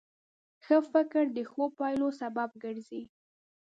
ښه فکر د ښو پایلو سبب ګرځي.